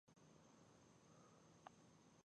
سړى پوى شو چې له دې ټپه رغېدن يې نه شته.